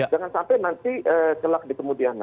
jangan sampai nanti celak di kemudiannya